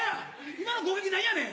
今の攻撃なんやねん？